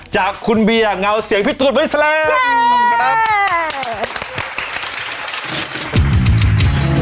จากคุณเบียงเงาเสียงพี่ตุ๋นบริษัท